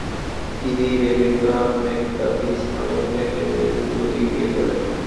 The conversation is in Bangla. তিনি রেবেকা ম্যাকটাভিশ নামক এক ইংরেজ যুবতীকে বিয়ে করেন।